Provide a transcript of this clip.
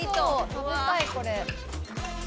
「食べたいこれ」